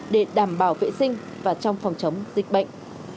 để đảm bảo vệ sinh và trong phòng chống dịch bệnh